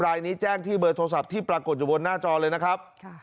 รายนี้แจ้งที่เบอร์โทรศัพท์ที่ปรากฏอยู่บนหน้าจอเลยนะครับ